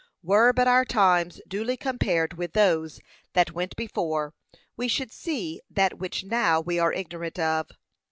Were but our times duly compared with those that went before, we should see that which now we are ignorant of.